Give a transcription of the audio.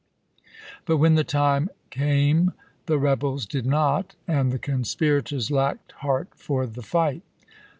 But when the time came the rebels did not, and the conspirators lacked heart for the fight.